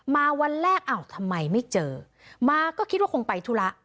วันแรกอ้าวทำไมไม่เจอมาก็คิดว่าคงไปธุระ